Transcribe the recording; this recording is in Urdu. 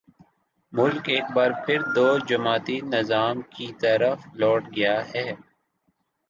ملک ایک بار پھر دو جماعتی نظام کی طرف لوٹ گیا ہے۔